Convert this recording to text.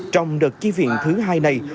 trong đợt tri viện thứ hai này